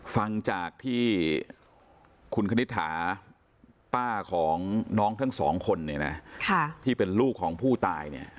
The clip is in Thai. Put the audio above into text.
ฟังจากที่คุณคณิฐาป้าของน้องทั้งสองคนที่เป็นลูกของผู้ตาย